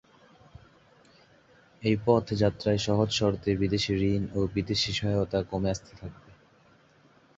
এই পথযাত্রায় সহজ শর্তে বিদেশি ঋণ ও বিদেশি সহায়তা কমে আসতে থাকবে।